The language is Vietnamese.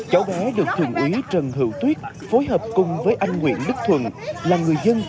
cháu bé được thượng úy trần hữu tuyết phối hợp cùng với anh nguyễn đức thuận là người dân